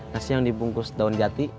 nasi yang dibungkus daun jati